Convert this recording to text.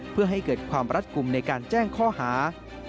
เพื่อให้เกิดความรัดกลุ่มในการแจ้งข้อหา